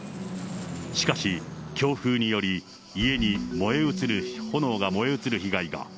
しかし、強風により、家に炎が燃え移る被害が。